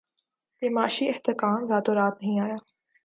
یہ معاشی استحکام راتوں رات نہیں آیا